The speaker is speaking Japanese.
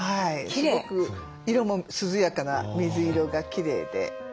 すごく色も涼やかな水色がきれいで。